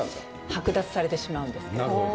剥奪されてしまうんですけど。